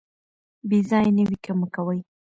بې ځایه نیوکې مه کوئ.